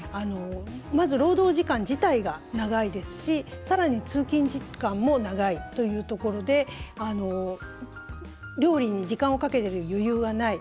まず、労働時間自体が長いですしさらに通勤時間も長いというところで料理に時間をかけている余裕はない。